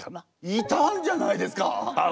いたんじゃないですか！